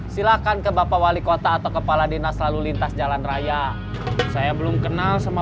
silakan ke bapak wali kota atau kepala dinas lalu lintas jalan raya saya belum kenal sama